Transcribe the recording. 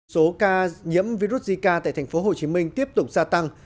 số ca nhiễm virus zika tại tp hcm tiếp tục gia tăng